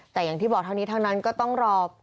แต่อย่างที่บอกเท่านี้ทั้งนั้นก็ต้องรอ